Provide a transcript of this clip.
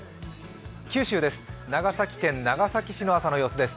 九州です、長崎県長崎市の朝の様子です。